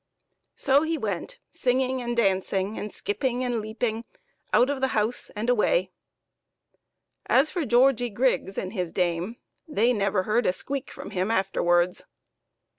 So he went singing and dan'cing, and skipping and leaping, out of the house and away. As for Georgie Griggs and his dame, they never heard a squeak from him afterwards.